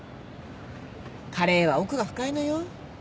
カレーは奥が深いのよ。